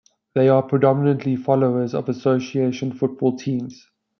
They are predominantly followers of association football teams.